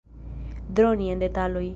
Droni en detaloj.